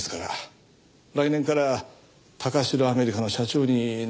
来年から貴城アメリカの社長に内定してましてね。